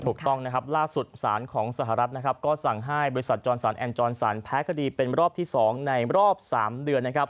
ถูกต้องล่าสุดสารของสหรัฐก็สั่งให้บริษัทจรสรรแอนด์จรสรรแพ้คดีเป็นรอบที่๒ในรอบ๓เดือน